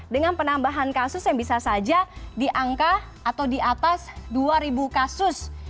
dengan penambahan kasus yang bisa saja di angka atau di atas dua ribu kasus